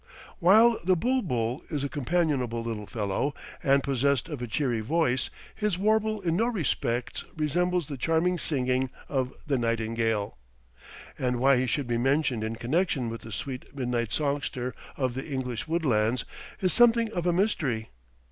While the bul bul is a companionable little fellow and possessed of a cheery voice, his warble in no respects resembles the charming singing of the nightingale, and why he should be mentioned in connection with the sweet midnight songster of the English woodlands is something of a mystery.